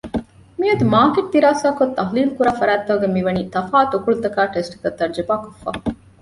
މިއަދު މާރކެޓް ދިރާސާކޮށް ތަޙްލީލުކުރާ ފަރާތްތަކުން މިވަނީ ތަފާތު އުކުޅުތަކާއި ޓެސްޓްތައް ތަޖުރިބާކޮށްފަ